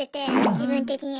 自分的には。